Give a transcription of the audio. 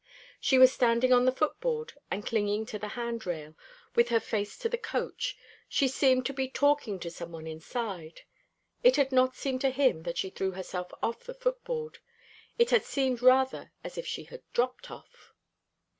She was standing on the footboard and clinging to the hand rail, with her face to the coach; she seemed to be talking to some one inside. It had not seemed to him that she threw herself off the footboard. It had seemed rather as if she had dropped off.